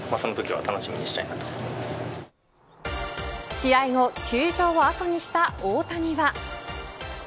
試合後球場をあとにした大谷は。